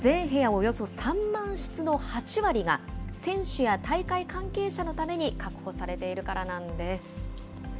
およそ３万室の８割が、選手や大会関係者のために確保されているからなんです。